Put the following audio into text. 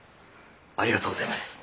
ありがとうございます。